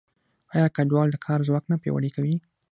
آیا کډوال د کار ځواک نه پیاوړی کوي؟